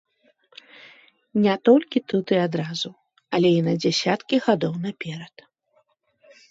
Не толькі тут і адразу, але і на дзясяткі гадоў наперад.